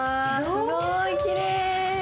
すごいきれい。